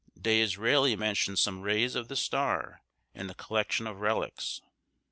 D'Israeli mentions some rays of this star, in a collection of relics.